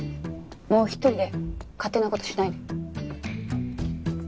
もう一人で勝手な事しないで。